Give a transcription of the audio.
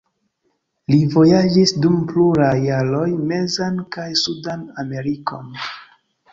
Li vojaĝis dum pluraj jaroj mezan kaj sudan Amerikon.